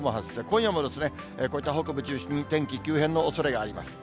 今夜もですね、こういった北部中心に、天気急変のおそれがあります。